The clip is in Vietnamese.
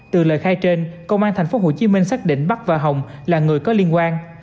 từ lời khai trên công an tp hcm xác định bắc và hồng là người có liên quan